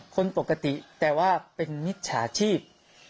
คนปกติแต่ว่าเป็นมิจฉาชีพ